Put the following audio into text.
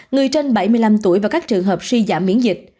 người trên bảy mươi năm tuổi và các trường hợp suy giảm miễn dịch